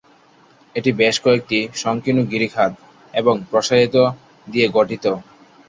এটি বেশ কয়েকটি সংকীর্ণ গিরিখাত এবং প্রসারিত দিয়ে গঠিত।